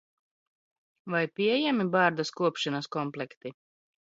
Vai pieejami bārdas kopšanas komplekti?